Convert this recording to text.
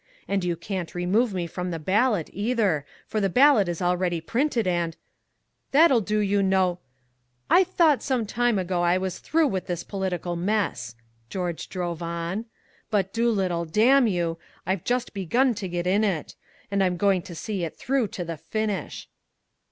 And you can't remove me from the ballot, either, for the ballot is already printed and " "That'll do you no " "I thought some time ago I was through with this political mess," George drove on. "But, Doolittle, damn you, I've just begun to get in it! And I'm going to see it through to the finish!"